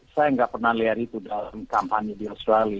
saya tidak pernah melihat itu dalam kampanye di australia